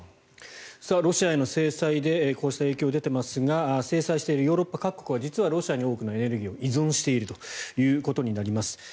ロシアへの制裁でこうした影響が出ていますが制裁しているヨーロッパ各国は実はロシアに多くのエネルギーを依存しているということになります。